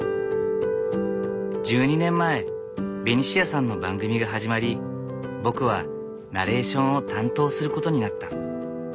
１２年前ベニシアさんの番組が始まり僕はナレーションを担当することになった。